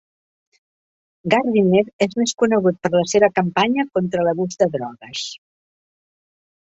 Gardiner és més conegut per la seva campanya contra l'abús de drogues.